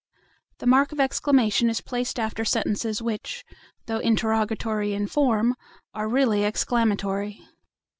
The mark of exclamation is placed after sentences which, though interrogatory in form, are really exclamatory.